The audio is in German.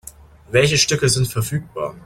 Welche Stücke sind verfügbar?